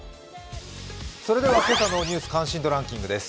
それでは今朝の「ニュース関心度ランキング」です。